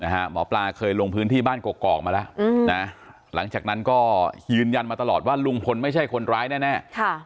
หมอปลาเคยลงพื้นที่บ้านกอกมาแล้วหลังจากนั้นก็ยืนยันมาตลอดว่าลุงพลไม่ใช่คนร้ายแน่